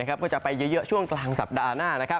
ก็จะไปเยอะช่วงกลางสัปดาห์หน้า